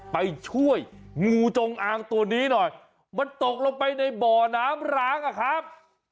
ไปช่วยงูจงอางตัวนี้หน่อยมันตกลงไปในบ่อน้ำร้างอะครับ